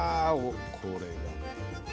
これがね